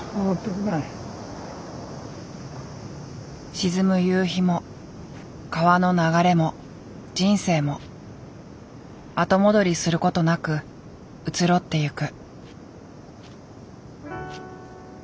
沈む夕日も川の流れも人生も後戻りすることなく移ろってゆく。